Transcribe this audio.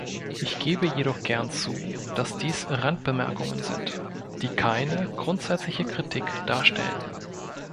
Ich gebe jedoch gern zu, dass dies Randbemerkungen sind, die keine grundsätzliche Kritik darstellen.